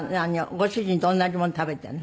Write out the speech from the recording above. ご主人と同じもの食べてるの？